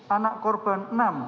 anak korban sembilan